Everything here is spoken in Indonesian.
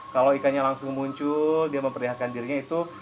kalau ikannya langsung muncul dia memperlihatkan dirinya itu